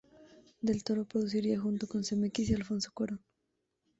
Del Toro produciría, junto a Zemeckis y Alfonso Cuarón.